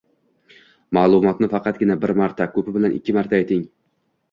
Ma’lumotni faqatgina bir marta, ko‘pi bilan ikki marta ayting